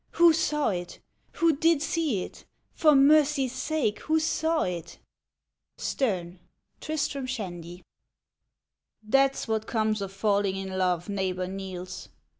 — Who saw it ? Who did see it • For mercy's sake, who saw it ? STERXE : Tristram Shandy. T HAT'S what comes of falling in love, Neighbor Niels.